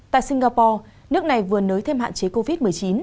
tại singapore nước này vừa nới thêm hạn chế covid một mươi chín